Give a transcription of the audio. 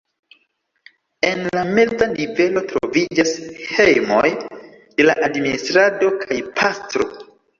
En la meza nivelo troviĝas hejmoj de la administrado kaj pastro.